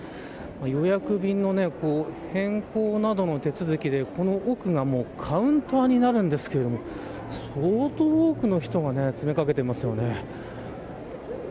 予約便の変更などの手続きでこの奥がカウンターになるんですが相当多くの人が詰めかけていますよね。